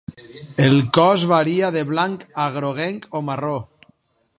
El cos varia de blanc a groguenc o marró.